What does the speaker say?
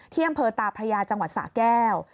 ที่อำเภอตาพระยาจังหวัดสะแก้ว